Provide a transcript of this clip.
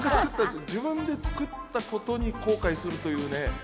自分が作ったことに後悔するっていうね。